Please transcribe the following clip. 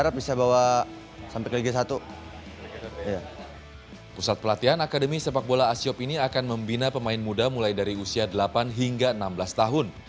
pusat pelatihan akademi sepak bola asiop ini akan membina pemain muda mulai dari usia delapan hingga enam belas tahun